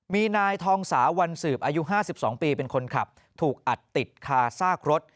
มีนายทองสาวันสืบอายุ๕๒ปีเป็นคนขับถูกอัดติดคาซากรถ